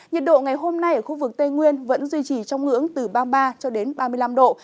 nhiệt độ ngày hôm nay ở khu vực tây nguyên vẫn duy trì trong ngưỡng từ ba mươi ba cho đến ba mươi năm độ